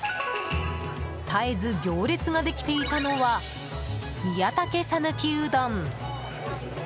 絶えず行列ができていたのは宮武讃岐うどん。